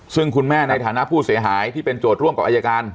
ซึ่งคุณแม่ในฐานะผู้เสียหายที่เป็นโจทย์ร่วมกับอายการ